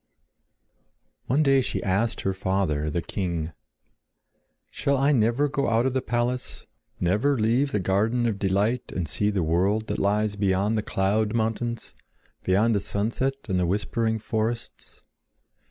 One day she asked her father, the king: "Shall I never go out of the palace, never leave the garden of delight and see the world that lies beyond the cloud mountains, beyond the sunset and the whispering forests?"